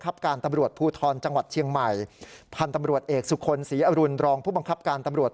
พานตำรวจเอกสุขลศรีอรุณรองผมังคับการตำรวจ